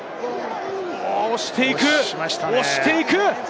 押していく、押していく！